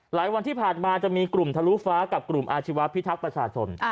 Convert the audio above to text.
วันที่ผ่านมาจะมีกลุ่มทะลุฟ้ากับกลุ่มอาชีวะพิทักษ์ประชาชน